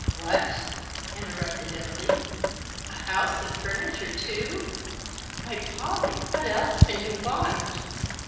"" What !" interrupted Emily, " a house and furni ture too. Why, Pollie, what else can you want